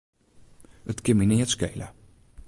It kin my neat skele.